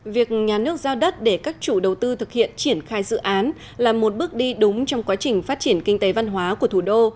việc nhà nước giao đất để các chủ đầu tư thực hiện triển khai dự án là một bước đi đúng trong quá trình phát triển kinh tế văn hóa của thủ đô